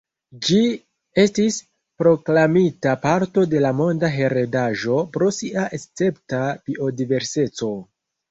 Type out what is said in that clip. Ĝi estis proklamita parto de la monda heredaĵo pro sia escepta biodiverseco.